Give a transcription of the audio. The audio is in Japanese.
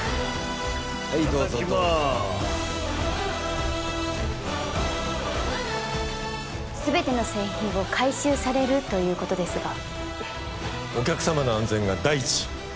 はいどうぞどうぞいただきまーす全ての製品を回収されるということですがお客様の安全が第一